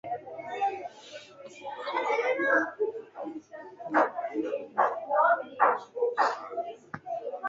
تو الائي سھڻا ڪپڙا ودا ائين